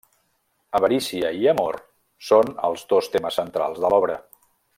Avarícia i amor són els dos temes centrals de l'obra.